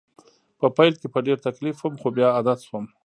په پیل کې په ډېر تکلیف وم خو بیا عادت شوم